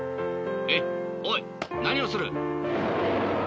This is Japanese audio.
えっおいなにをする？